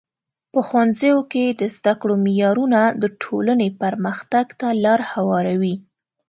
په ښوونځیو کې د زده کړو معیارونه د ټولنې پرمختګ ته لار هواروي.